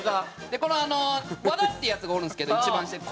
でこの輪田っていうヤツがおるんですけど一番下に。